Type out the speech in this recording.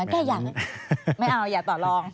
ไม่เอาอย่าตอบลอง